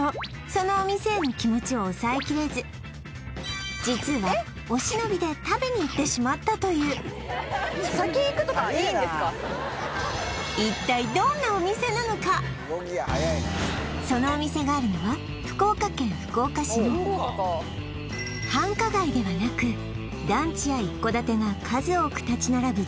そのお店への気持ちを抑えきれず実はお忍びで食べに行ってしまったというそのお店があるのは福岡県福岡市の繁華街ではなく団地や一戸建てが数多く立ち並ぶ